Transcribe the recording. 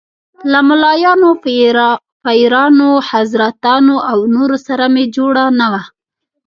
له ملايانو، پیرانو، حضرتانو او نورو سره مې جوړه نه وه.